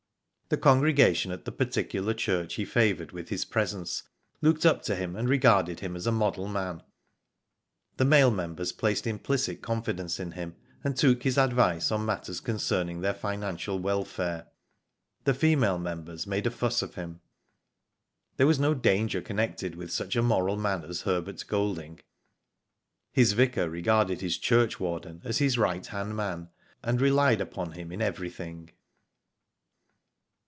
The congregation ^it the particular church he favoured with his presence, looked up to him and regarded him as a model man. The male members placed implicit confidence in him, and took his advice on matters concerning their financial welfare. The female members made a Digitized byGoogk 32 WHO DID ITf fuss of him. There was no danger connected with such a moral man as Herbert Golding. His vicar regarded his churchwarden as his right hand man, and relied upon him in everything.